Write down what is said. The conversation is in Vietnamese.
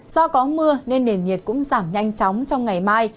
do có mưa nên nền nhiệt cũng giảm nhanh chóng trong ngày mai